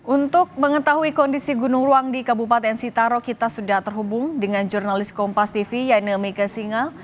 untuk mengetahui kondisi gunung ruang di kabupaten sitaro kita sudah terhubung dengan jurnalis kompas tv yainil mike singa